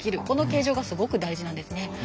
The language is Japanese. この形状がすごく大事なんですね。